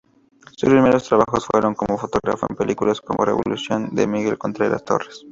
Sus primeros trabajos fueron como fotógrafo en películas como "Revolución" de Miguel Contreras Torres.